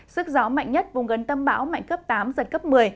sức gió mạnh nhất vùng gần tâm bão mạnh cấp tám giật cấp một mươi